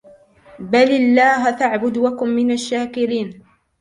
بَلِ اللَّهَ فَاعْبُدْ وَكُنْ مِنَ الشَّاكِرِينَ